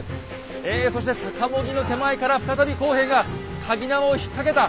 えそしてさかも木の手前から再び工兵がかぎ縄を引っ掛けた。